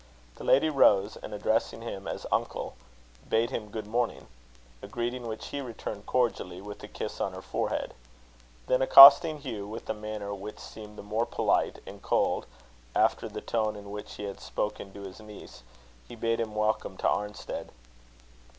The lady rose, and, addressing him as uncle, bade him good morning; a greeting which he returned cordially, with a kiss on her forehead. Then accosting Hugh, with a manner which seemed the more polite and cold after the tone in which he had spoken to his niece, he bade him welcome to Arnstead.